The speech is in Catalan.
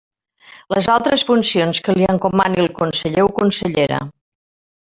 Les altres funcions que li encomani el conseller o consellera.